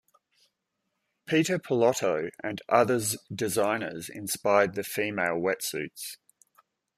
Peter Pilotto and others designers inspired the female wetsuits.